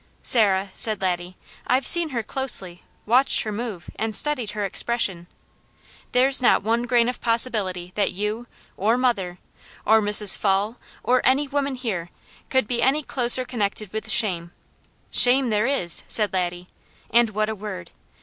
"Sarah," said Laddie, "I've seen her closely, watched her move, and studied her expression. There's not one grain of possibility that you, or mother, or Mrs. Fall, or any woman here, could be any closer connected with SHAME. Shame there is," said Laddie, "and what a word!